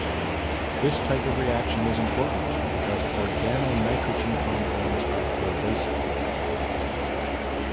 This type of reaction is important because organonitrogen compounds are pervasive.